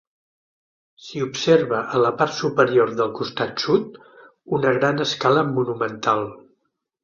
S'hi observa, a la part superior del costat sud, una gran escala monumental.